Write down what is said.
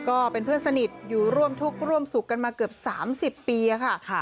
ก็เป็นเพื่อนสนิทอยู่ร่วมทุกข์ร่วมสุขกันมาเกือบ๓๐ปีค่ะ